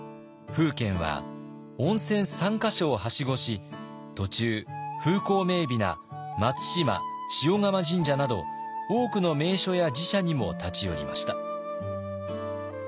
楓軒は温泉３か所をはしごし途中風光明美な松島鹽竈神社など多くの名所や寺社にも立ち寄りました。